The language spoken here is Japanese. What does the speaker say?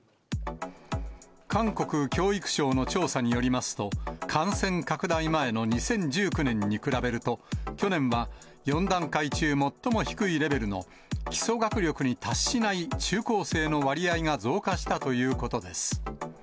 韓国教育省の調査によりますと、感染拡大前の２０１９年に比べると、去年は、４段階中最も低いレベルの基礎学力に達しない中高生の割合が増加したということです。